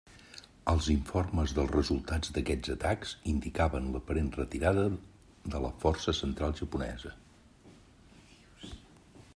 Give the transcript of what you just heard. Els informes dels resultats d'aquests atacs, indicaven l'aparent retirada de la força central japonesa.